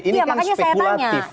ini kan spekulatif